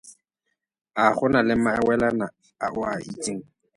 A go na le mawelana a o a itseng?